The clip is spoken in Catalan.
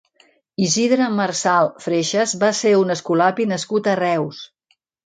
Isidre Marsal Freixas va ser un escolapi nascut a Reus.